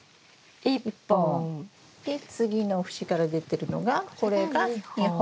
で次の節から出てるのがこれが２本。